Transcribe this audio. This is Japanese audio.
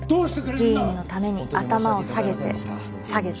議員のために頭を下げて下げて。